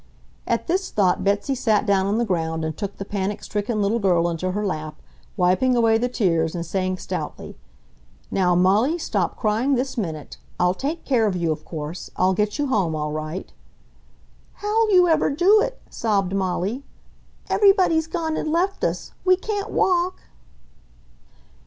At this thought Betsy sat down on the ground and took the panic stricken little girl into her lap, wiping away the tears and saying, stoutly, "Now, Molly, stop crying this minute. I'll take care of you, of course. I'll get you home all right." "How'll you ever do it?" sobbed Molly. "Everybody's gone and left us. We can't walk!"